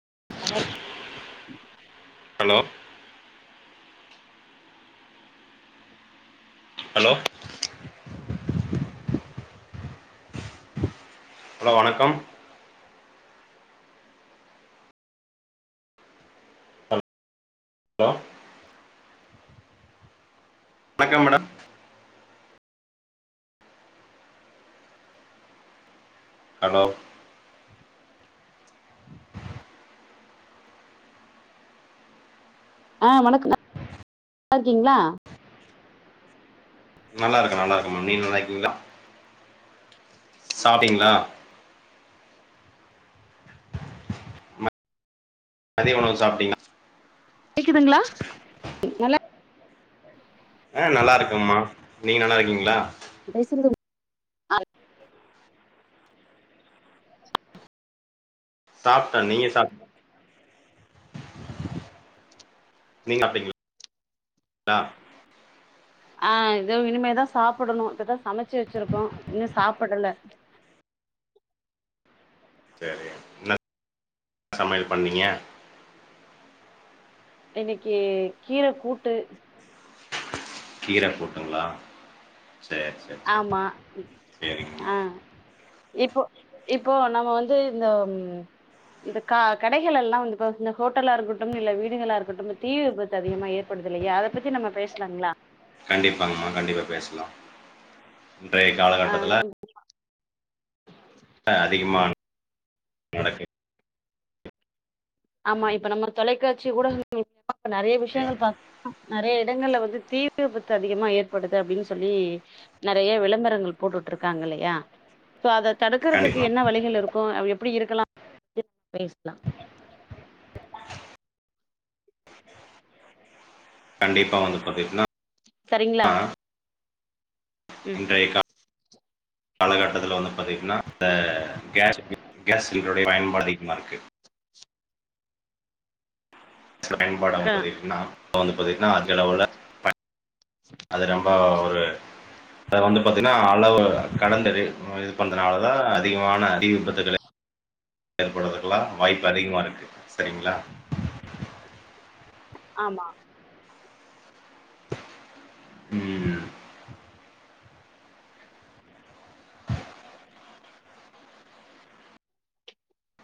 [unintelligible] Hello hello hello வணக்கம் hello வணக்கம் madam hello ஆ வணக்கங்க நல்லாருக்கிங்ளா? நல்லாருக்க நல்லாருக்கம்ம நீங்க நல்லாருக்கிங்ளா? சாப்டிங்ளா? மதிய உணவு சாப்ட்டீங்ளா? கேக்குதுங்ளா நல்லா ஆ நல்லாருக்கம்மா நீங்க நல்லாருக்கிங்ளா? [inaudible] சாப்ட்ட நீங்க சாப் நீங்காப்டிங்ளா? ஆ இதோ இனிமே தா சாப்புடனு இப்பதா சமச்சு வச்சுருக்கோ இன்னு சாப் படல சேரி என்ன சமயல் பண்ணீங்க? இன்னக்கி கீர கூட்டு கீர கூட்டுங்ளா ஆமா சேரிங்கம்மா ஆ இப்பொ இப்போ நம்ம வந்து இந்த ம் இந்த கா கடைகள் எல்லா வந்து இப்ப இந்த ஹோட்டலா இருக்கட்டும் இல்ல வீடுகளா இருக்கட்டும் தீ விபத்து அதிகமா ஏற்படுதுலயா அத பத்தி நம்ம பேசலாங்ளா கண்டிப்பாங்கம்மா கண்டிப்பா பேசலா இன்றைய ஆ காலகட்டத்துல அதிகமா நடக்கு ஆமா இப்ப நம்ம தொலைக்காட்சி ஊடக [inaudible] இப்ப நறையா விஷயங்கள் பா நறையா இடங்கள்ல வந்து தீ விபத்து அதிகமா ஏற்படுது அப்டினு சொல்லி நறையா விளம்பரங்கள் போட்டுட்டு இருக்காங்க இல்லயா இப்போ அத தடுக்கறதுக்கு கண்டிப்பா என்ன வழிகள் இருக்கோ [inaudible] எப்டி இருக்கலா [inaudible] பேசலா கண்டிப்பா வந்து பாத்தீனா சரிங்ளா இன்றய கா காலகட்டத்துல வந்து பாத்தீங்கனா இந்த கேஸ் கேஸ் சிலிண்டருடைய பயன்பா அதிகமாருக்கு பயன்பாட ஆ வந்து பாத்தீங்கனா வந்து பாத்தீங்கனா அந்தளவுல அது ரொம்ப ஒரு அது வந்து பாத்தீங்கனா அளவு கடந்தது இது பண்றதுனாலதா அதிகமான தீ விபத்துக்கள ஏற்படுதுக்கலா வாய்ப்பு அதிகமா இருக்கு சரிங்களா ஆமா உ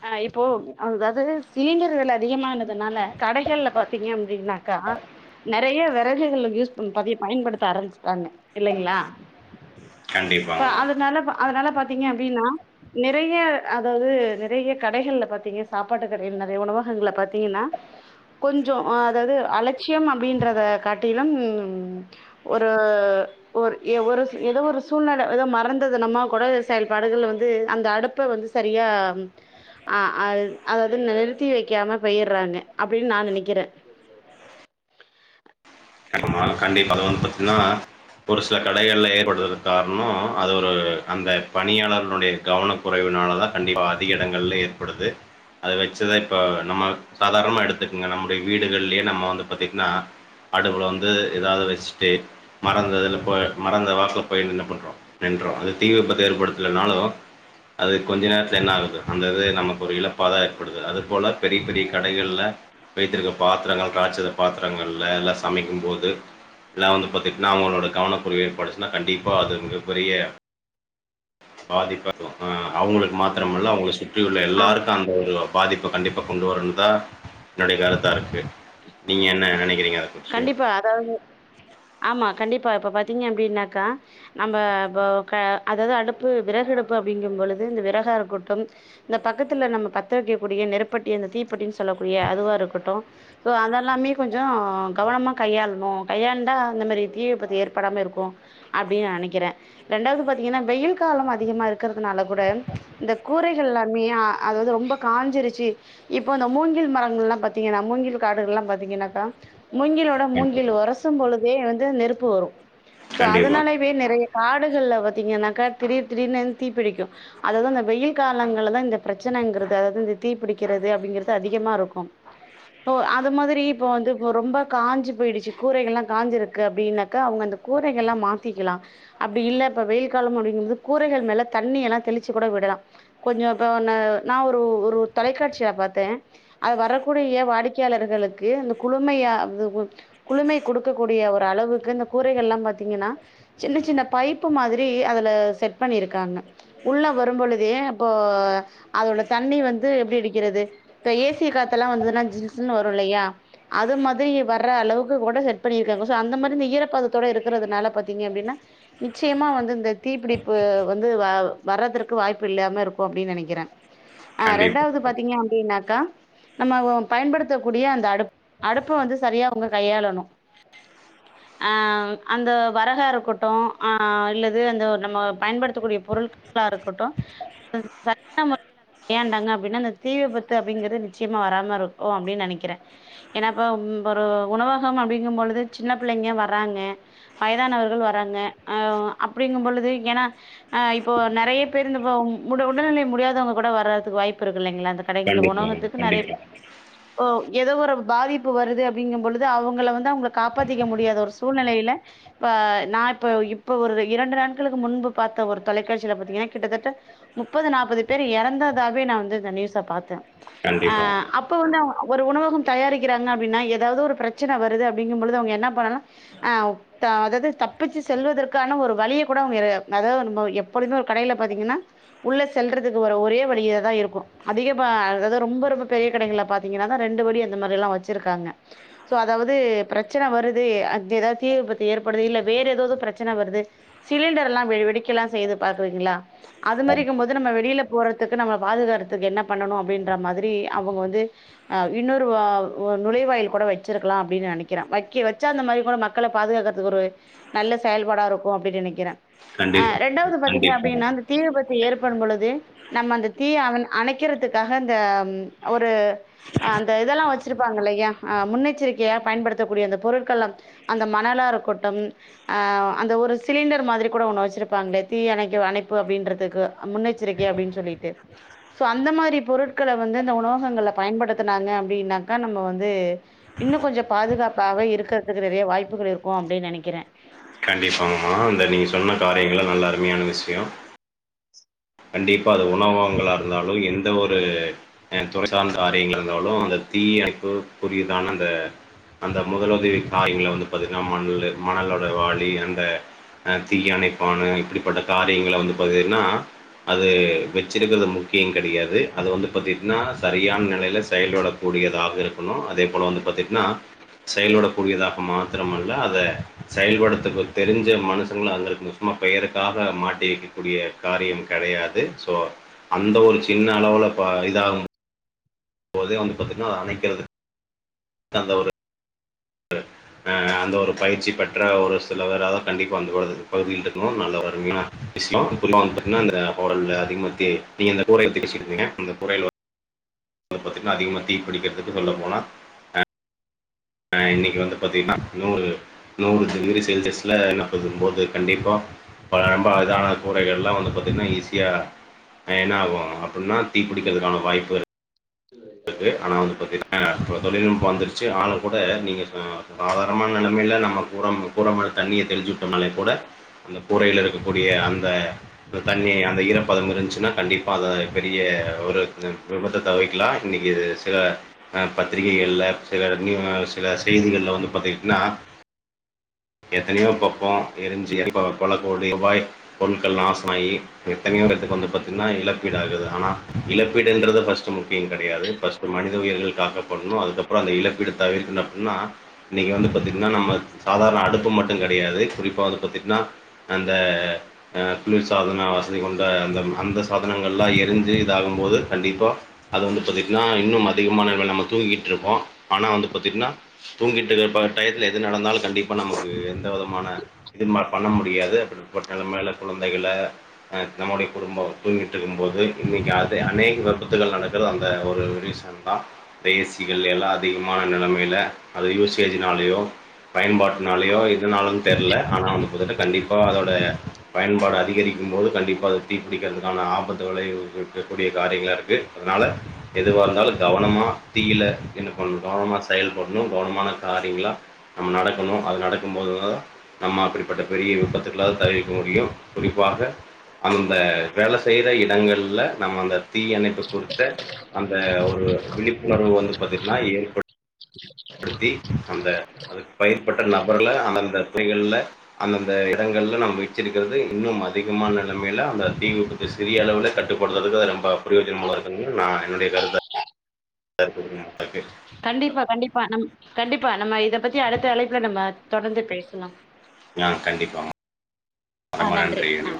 அ இப்போ அதாவது சிலிண்டர் வெல அதிகமானதுனால கடைகள்ல பாத்தீங்க அப்படின்னாக்கா நிறையா விறகுகள் யூஸ் பண்ண பதிய பயன்படுத்த ஆரம்பிச்சுட்டாங்க இல்லைங்களா ப்ப கண்டிப்பாங்க அதனாலப்ப அதனால பாத் நீங்க அப்டின்னா நிறைய அதாவது நிறைய கடைகள்ல பாத்தீங்க சாப்பாட்டு கடைகள் நிறைய உணவகங்கள்ல பாத்தீங்கன்னா கொஞ்சோ அதாவது அலட்சியம் அப்டின்றத காட்டிலும் ஒரு ஒரு ஒரு ஏதோ ஒரு சூழ்நெல ஏதோ மறந்தது நம்ம கூட செயல்பாடுகள் வந்து அந்த அடுப்பை வந்து சரியா அ ஆ அதாவது நிறுத்தி வைக்காம போய்டுறாங்க அப்படின்னு நா நினைக்கிறே கண்டிப்பா வந்து பாத்தீங்கன்னா ஒரு சில கடைகள்ல ஏற்படுறதுக்கு காரணோ அது ஒரு அந்த பணியாளர்களுடைய கவன குறைவுனால தா கண்டிப்பா அதிக இடங்கள்ல ஏற்படுது அத வச்சுதா இப்ப நம்ம சாதாரணமா எடுத்துக்கங்க நம்முடைய வீடுகள்லயே நம்ம வந்து பாத்தீங்கன்னா அடுப்புல வந்து த்து ஏதாது வச்சிட்டு மறந்தது இல்ல போ மறந்து வாச போய்டு என்ன பண்றோ நின்ட்றோ அது தீ விபத்து ஏற்படுத்தலநாலு அது கொஞ்ச நேரத்துல என்ன ஆகுது அந்த இது நமக்கு ஒரு இழப்பாதா ஏற்படுது அது போல பெரிய பெரிய கடைகள்ள விச்சிருக்க பாத்ரங்கள் பாத்திரங்கள்ல்லா சமைக் கும்போது ல்லா வந்து பாத்துகிட்டீங்னா அவங்களோட கவனக்குறைபட்டுசுனா கண்டிப்பா அது மிகப்பெரிய பாதிப்பாகு உ அவங்களுக்கு மாத்திரமல்ல அவங்கள சுத்தியுள்ள எல்லாருக்கு அந்த ஒரு பாதிப்ப கண்டிப்பாக கொண்டு வரனு தா என்னுடைய கருத்தா இருக்கு நீங்க என்ன நெனைக்கிறீங்க கொட்சியம் [inaudible] ஆமா கன் கண்டிப்பா இப்போ பாத்தீங்க அப்டின்னாக்கா நம்ம உ வ க அதாவது அடுப்பு விறகுடுப்பு அப்படிங்கும்பொழுது இந்த விறகா இருக்கட்டும் இந்த பக்கத்தில்ல நம்ம பத்த வக்கக்கூடிய நெருப்பட்டி அந்த தீப்பட்டின்னு சொல்லக்கூடிய அதுவாக இருக்கட்டு ஸோ அதெல்லாமே கொஞ்சோ கவனமா கையாளணு கையாண்டா அந்த மாரி தீவிபத்து ஏற்படாம இருக்கு அப்டின்னு நா நெனைக்கிறே ரெண்டாவது பாத்தீங்கன்னா வெயில் காலோ அதிகமா இருக்கிறதுனால கூட இந்த கூரைகள்லாமே அத வந்து ரொம்ப காஞ்சிருச்சு இப்போ இந்த மூங்கில் மரங்கள் எல்லாம் பாத்தீங்கன்னா மூங்கில் காடுகல்லா பாத்தீங்கன்னாக்கா மூங்கிலோட மூங்கில் ஒரசும்பொழுதே வந்து நெருப்பு வரு சோ கண்டிப்பா கண்டிப்பா அதனாலயவே நிறைய காடுகள்ல பாத்தீங்கன்னாக்கா திடீர் திடீர்னு தீ பிடிக்கு அதாவது இந்த வெயில் காலங்கள்ளதா இந்த பிரச்சனைங்கிறது அதாவது இந்த தீ பிடிக்கிறது அப்டிங்கறிது அதிகமா இருக்கு அது மாதிரி இப்ப வந்து ரொம்ப காஞ்சு போயிடுச்சு கூரைகல்லா காஞ்சிருக்கு அப்டின்னாக்கா அவங்க அந்த கூரைகள்லா மாத்திக்கலா அப்டி இல்ல இப்ப வெயில் காலோ அப்டிங்கது கூரைகள் மேல தண்ணி எல்லா தெளிச்சு கூட விடலா கொஞ்சோ இப்ப அ நா ஒரு ஒரு தொலைக்காட்சிய பாத்தே அத வரக்கூடிய வாடிக்கையாளர்களுக்கு இந்த குழுமையா [unintelligible] குளுமை குடுக்கக்கூடிய ஒரு அளவுக்கு இந்த கூரைகள்லா பாத்தீங்கன்னா சின்ன சின்ன பைப்பு மாதிரி அதுல செட் பண்ணிருக்காங்க உள்ள வரும்பொழுதே இப்போ அதோட தண்ணி வந்து எப்டி அடிக்கறது இப்ப ஏ சி காத்தெல்லா வந்துதுனா ஜில் ஜில் வரும்ல்லயா அது மாத் திரி வர்ற அளவுக்கு கூட செட் பண்ணியிருக்காங்க சோ அந்த மாதிரி இந்த ஈரப்பதத்தோட இருக்கிறதுனால பாத்தீங்க அப்டின்னா நிச்சயமா வந்து இந்த தீப்பிடிப்பு வந்து வர்றதற்கு வாய்ப்பு இல்லயாம இருக்கு அப்டின்னு நெனைக்கிறே ஆ கண்டிப்பா ரெண்டாவது பாத்தீங்க அப் டினாக்கா நம்ம வ பயன்படுத்தக்கூடிய அந்த அடு அடுப் ப்ப வந்து சரியா அவுங்க கையாளணு ஆ அந்த வறகா இருக்கட்டு அ இல்லது அந்த நம்ம பயன்படுத்தக்கூடிய பொருள்களா இருக்கட்டு அத சரியான முறையில அத கையாண்டாங்க அப்டின்னா அந்த தீ விபத்து அப்டிங்கிறது நிச்சயமா வராம இருக்கு அப்டி நெனக்கிறே ஏனா வ ஒரு உணவகம் அப்டிங்கும்பொழுது சின்ன பிள்ளைங்க வராங்க வயதானவர்கள் வராங்க அ அப்டிங்கும் பொழுது ஏனா அ இப்போ நெறைய பேரு இந்தப்ப முட உடல்நிலை முடியாதவுங்க கூட வர்துக்கு வாய்ப்புரு கில்லெங்ளா இந்த கடை இந்த கண்டிப்பா ஒணவகத்துக்கு நறைய கண்டிப்பா ஓ எதோ ஒரு பாதிப் பு வருது அப்டிங்கம்பொழுது அவுங்கள வந்து அவுங்ள காப்பாத்திக்க முடியாத ஒரு சூழ்நெலயில இப்ப நா இப்ப இப்ப ஒரு இரண்டு நாட்களுக்கு முன்பு பாத்த ஒரு தொலைக்காட்சில பாத்தீங்கனா கிட்டத்தட்ட முப்பது நாப்பது பேர் எறந்ததாவே நா வந்து இந்த நியூஸ பாத்தே ஆ கண்டிப்பா அப்ப வந்து அ ஒரு உணவகம் தயாரி க்கிறாங்க அப்டின்னா எதாவ்து ஒரு பிரச்சன வருது அப்டிங்கம்பொழுது அவுங்க என்ன பண்ணலா அவ் த அதாது தப்பிச்சு செல்வதற்கான ஒரு வழிய கூட அவுங்க எத நதா நம்ம எப்பொழுதுமே ஒரு கடைல பாத்திங்கன்னா உள்ள செல்றதுக்கு ஒரு ஒரே வழியாதா இருக்கு அதிகமா அதது ரொம்ப ரொம்ப பெரிய கடைங்கள்ல பாத்தீங்கன்னா தா ரெண்டு வழி அந்த மாரில்லா வ ச்சுருக்காங்க சோ அதாவது பிரச்சன வருது அத்து எதா தீ விபத்து ஏற்படுது இல்ல வேற எதாவ்து பிரச்சன வருது சிலிண்டர்லா வெ வெடிக்கல்லா செய்து பாக்குறிங்ளா அது மாரி இக்கும் போது நம்ம வெளில போறதுக்கு நம்ள பாதுகாறத்துக்கு என்ன பண்ணணு அப்டின்ற மாதிரி அவுங்க வந்து அ இன்னொரு வ ஓ நுழைவாயில் கூட வச்சிருக்கலா அப்டின் நெனக்கிறே வக்க வச்ச அந்த மாரி கூட மக்கள பாதுகாக்கற்துக்கு ஒரு நல்ல செயல்பாடா இருக்கு அப்டி நினக்கிறே அ கண்டிப்பா ரெண்டாவது பாத்தீங்க கண்டிப்பா அப்டின்னா அந்த தீ விபத்து ஏற் வரும்பொழுது நம்ம அந்த தீ அணக்கிறதுக்காக அந்த ஒரு அந்த இதெல்லா வச்சு ச்சிருப்பாங்கல்லயா அ முன்னெச்சரிக்கையா பயன்படுத்தக்கூடிய அந்த பொருட்கள்லா அந்த மணலாருக்கட்டும் அ அந்த ஒரு சிலிண்டர் மாதிரி கூட ஒன்னு வச்சுருப்பாங்ளே தீயணைக்க அணைப்பு அப்டின்றதுக்கு அ முன்னெச்சரிக்கை அப்டின் சொல்லிட்டு சோ அந்த மாரி பொருட்கள வந்து இந்த உணவகங்கள்ல பயன்படுத்துனாங்க அப்டின்னா க நம்ம வந்து இன்னு கொஞ்ச பாதுகாப்பாக இருக்கற்துக்கு நெறைய வாய்ப்புகள் இருக்கு அப்டின் நெனக்கிறே கண்டிப்பாங்கமா இந்த நீங்க சொன்ன காரியங்களா நல்ல அருமையான விஷ்யொ கண்டிப்பா அது உணவகங்களா இருந்தாலு எந்த ஒரு அ துறை சார்ந் காரியங்கள் இருந்தாலு அந்த தீயணைப்புக்குரியதான அந்த அந்த முதலுதவி காரியங்கள வந்து பாத்திட்னா மண்லு மணலோட வாளி அந்த அ தீயணைப்பானு இப்பிடிப்பட்ட காரியங்கள வந்து பாதீட்னா அது வச்சுருக்கற்து முக்கிய கடியாது அது வந்து பாத்திட்னா சரியான நெலைல செயல்படக்கூடியதாக இருக்கணு அதே போல வந்து பாத்திட்னா செயல்படக்கூடியதாக மாத்திரமல்ல அத செயல்படத்துக்கு தெருஞ்ச மனுசங்ளா அங்கருக்னு சும்மா பெயருக்காக மாட்டி வைக்கக்கூடிய காரியம் கடயாது சோ அந்த ஒரு சின்ன அளவுல பா இதாகு ம்போதே வந்து பாத்திட்னா அணக்கிறது அந்த ஒரு ஆ அந்த ஒரு பயிற்சி பெற்ற ஒரு செல வெராவு கண்டிப்பா அந்த ஒரு பகுதியில்ருக்ணு நல்ல ஒ அருமயான விஷ்யொ இப்ப பாத்திங்னா அந்த ஹோடல்ல அதிகமா தீ நீங்க இந்த கூரைய பத்தி பேசிட்ருந்திங்க அந்த கூரைகள் வ ந்து பாத்திட்னா அதிகமா தீ பிடிக்கற்துக்கு சொல்ல போனா அ ஆ இன்னக்கி வந்து பாத்திட்னா நூறு நூறு டிகிரி செல்சியஸ்ல [unintelligible] போது கண்டிப்பா ப ரொம்ப இதான கூரைகள்லா வந்து பாத்திட்னா ஈஸியா என்ன ஆகு அப்பின்னா தீ பிடிக்கற்துக்கான வாய்ப்பு இரு க்கு ஆனா வந்து பாத்திட்னா இப்போ தொழில்நுட்ப வந்துருச்சு ஆனாலு கூட நீங்க அ சாதாரமான நெலமைல நம்ம கூரம் கூர மேல தண்ணிய தெளிச்சு விட்டொம்னாலே கூட அந்த கூரைல இருக்கக்கூடிய அந்த தண்ணி அந்த ஈரப்பதம் இருன்ச்சுனா கண்டிப்பாக பெரிய ஒரு விபத்த தவிக்கலா இன்னக்கி சில அ பத்திரிகைகள்ல சில நியு சில செய்திகள்ல வந்து பாத்திகிட்னா எத்தனயோ பக்கோ எருஞ்சு பல கோடி ரூபாய் பொருள்கள் நாசமாயி எத்தனையோ பேத்துக்கு வந்து பாத்திட்னா இழப்பீடு ஆகுது ஆனா இழப்பீடுன்றது ஃபஸ்ட்டு முக்கிய கடயாது ஃபர்ஸ்ட்டு மனி த உயிர்கள் காக்கப்பட்ணு அதுக்க ப்றொ அந்த இழப்பீடு தவிர்க்கணு அப்பின்னா இன்னக்கி வந்து பாத்திட்னா நம்ம சாதாரண அடுப்பு மட்டு கடயாது குறிப்பா வந்து பத்திட்னா அந்த அ குளிர் சாதன வசதி கொண்ட அந்த அந்த சாதனங்கள்லா எரிஞ்சு இதாகும் போது கண்டிப்பா அது வந்து பத்திட்னா இன்னும் அதிகமானவ நம்ம தூங்கிட்ருப்போ ஆனா வந்து பத்திட்னா தூங்கிட்ருக்க ப டயத்துல எது நடந்தாலு கண்டிப் பா நமக்கு எந்த விதமான இது மா பண்ண முடியாது அப்டி பட்ட நெலமைல குழந் தைகள அ நம்முடைய குடும்பொ தூங்கிட்ருக்கும் போது இன்னக்கி அதே அநேக விபத்துகள் நடக்குறது அந்த ஒரு ரீசன் தா இந்த ஏசிகள் எல்லா அதிகமான நெலமைல அது யூஸேஜுனாலயு பயன்பாட் டுனாலயோ எதுனாலன் தெர்ல ஆனா வந்து பாத்துட்டா கண்டிப்பா அதோட பயன்பாடு அதிகரிக்கும் போது கண்டிப்பா அது தீப்பிடிக்கிறதுக்கான ஆபத்து வெளைவிக்கக்கூடிய காரியங்களா இருக்கு அதுனால எதுவாருந்தாலு கவனமா தீயில இன்னு கொஞ் கவனமா செயல்பட்ணு கவனமான காரியங்ளா நம்ம நடக் கனு அது நடக்கும்போதுதா நம்ம அப்பிடிப்பட்ட பெரிய விபத்துக்களாது தவிர்க்க முடியு குறிப்பாக அந்த வேல செய்யுற இடங்கள்ல நம்ம அந்த தீயணைப்பு குறித்த அந்த ஒரு விழிப்புணர்வு வந்து பாத்திட்னா ஏற்படு டுத்தி அந்த அதுக்கு பயிற்பட்ட நபர்ல அந்தந்த துறைகள்ல அந்தந்த இடங்கள்ல நம்ம வச்சிருக்கறது இன்னும் அதிகமான நலமைல அந்த தீ விபத்து சிறிய அளவுல கட்டுப்பட்றதுக்கு அது ரொம்ப பிரயோஜனமுல்லா இருக்கனும்னு நா என்னுடைய கருத்த [unintelligible] கண்டிப்பா கண்டிப்பா நம் கண்டிப்பா நம்ம இத பத்தி அடுத்த அழைப்புல நம்ம தொடர்ந்து பேசலா ஆ கண்டிப்பா ஆ நன்றி ஆ